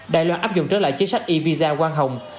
đài loan áp dụng trở lại chính sách e visa quang hồng